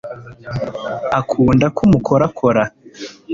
akunda ko umukorakora